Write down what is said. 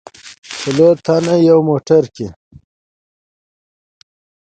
څلور تنه یو موټر کې و.